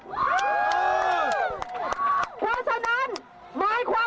หากประยุทธยังไม่ออก